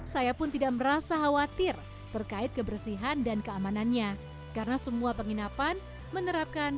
saya pun tidak merasa khawatir terkait kebersihan dan keamanannya karena semua penginapan menerapkan